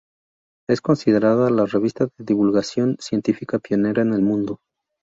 Es considerada la revista de divulgación científica pionera en el mundo.